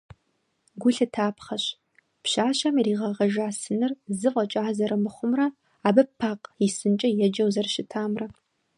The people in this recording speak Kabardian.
Гу лъытапхъэщ, пщащэм иригъэгъэжа сыныр зы фӏэкӏа зэрымыхъумрэ абы «Пакъ и сынкӏэ» еджэу зэрыщытамрэ.